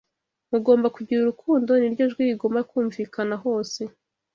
Mugomba kugira urukundo ni ryo jwi rigomba kumvikana hose